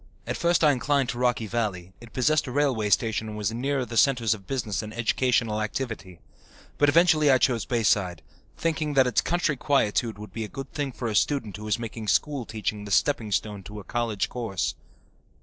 At first I inclined to Rocky Valley; it possessed a railway station and was nearer the centres of business and educational activity. But eventually I chose Bayside, thinking that its country quietude would be a good thing for a student who was making school teaching the stepping stone to a college course.